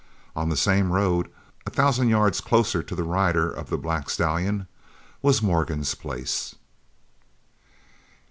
On the same road, a thousand yards closer to the rider of the black stallion, was Morgan's place.